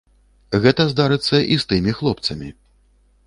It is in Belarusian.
Гэта здарыцца і з тымі хлопцамі.